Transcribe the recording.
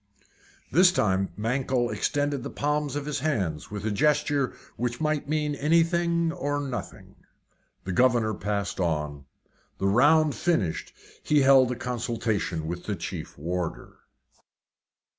This time Mankell extended the palms of his hands with a gesture which might mean anything or nothing. The governor passed on. The round finished, he held a consultation with the chief warder.